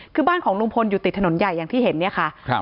คือบ้านของลุงพลอยู่ติดถนนใหญ่อย่างที่เห็นเนี่ยค่ะครับ